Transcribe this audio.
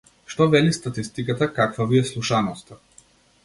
Што вели статистиката, каква ви е слушаноста?